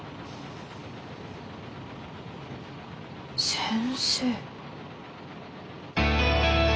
先生？